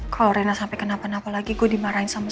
kalo raina sampe kenapa napa lagi gue dimarahin sama dia